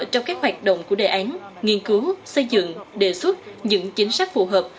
trong các hoạt động của đề án nghiên cứu xây dựng đề xuất những chính sách phù hợp